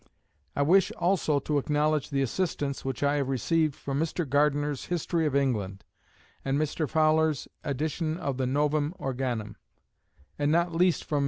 I wish also to acknowledge the assistance which I have received from Mr. Gardiner's History of England and Mr. Fowler's edition of the Novum Organum; and not least from M.